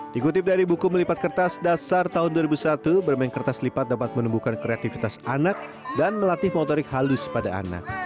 dikutip dari buku melipat kertas dasar tahun dua ribu satu bermain kertas lipat dapat menumbuhkan kreativitas anak dan melatih motorik halus pada anak